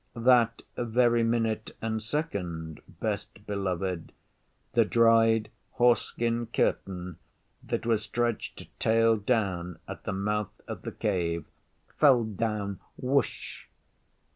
That very minute and second, Best Beloved, the dried horse skin Curtain that was stretched tail down at the mouth of the Cave fell down whoosh!